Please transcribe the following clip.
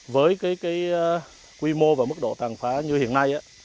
với cái quy mô và mức độ tàn phá như hiện nay